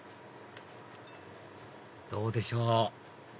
どうでしょう？